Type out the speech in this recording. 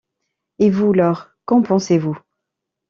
Et vous, Laure, qu’en pensez-vous?